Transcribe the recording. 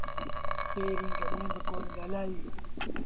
پيريݩ ڪڏهين با ڪونهيٚ ڳآلآئي